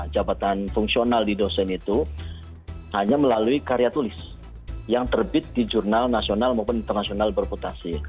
jabatan fungsional di dosen itu hanya melalui karya tulis yang terbit di jurnal nasional maupun internasional berputasi